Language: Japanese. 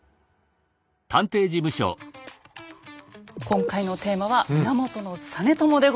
今回のテーマは「源実朝」でございます。